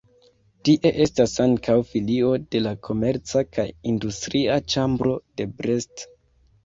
Tie estas ankaŭ filio de la komerca kaj industria ĉambro de Brest.